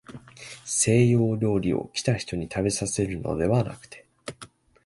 西洋料理を、来た人にたべさせるのではなくて、